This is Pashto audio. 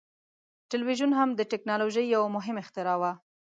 ټلویزیون هم د ټیکنالوژۍ یو مهم اختراع وه.